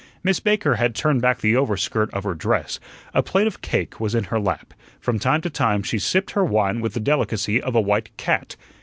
Miss Baker had turned back the overskirt of her dress; a plate of cake was in her lap; from time to time she sipped her wine with the delicacy of a white cat.